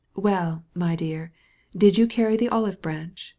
"Well, my dear, so you took the olive branch?"